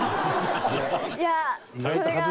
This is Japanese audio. いやそれが。